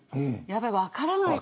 やっぱり分からない